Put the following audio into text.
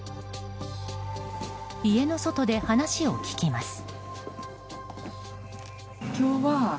家の外で話を聞きます。